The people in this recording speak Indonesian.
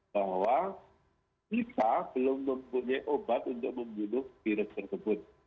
bahwa kita belum mempunyai obat untuk membunuh virus tersebut